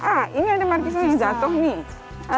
ah ini ada margisa yang jatuh nih